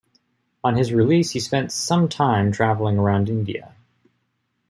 On his release he spent sometime travelling around India.